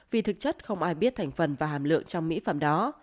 vì thực chất không ai biết thành phần và hàm lượng trong mỹ phẩm đó